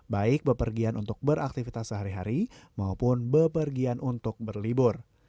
baik bepergian untuk beraktivitas sehari hari maupun bepergian untuk berlibur